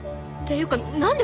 っていうかな